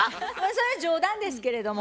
それは冗談ですけれども。